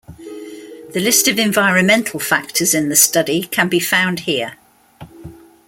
The list of environmental factors in the study can be found here.